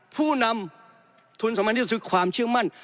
ผู้นำทุนสำคัญที่สุดคือความเชื่อมั่น